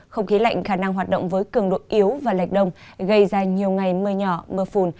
không khí lạnh khả năng hoạt động với cường độ yếu và lệch đông gây ra nhiều ngày mưa nhỏ mưa phùn